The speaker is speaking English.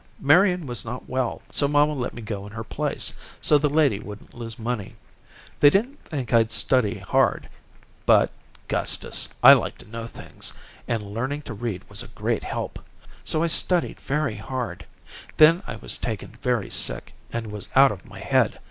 Marian was not well, so mamma let me go in her place, so the lady wouldn't lose money. They didn't think I'd study hard, but, Gustus, I like to know things, and learning to read was a great help. So I studied very hard. Then I was taken very sick and was out of my head.